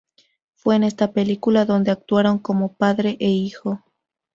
Fue en esta película donde actuaron como padre e hijo.